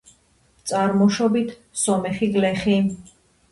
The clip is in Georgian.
წარმოშობით სომეხი გლეხი.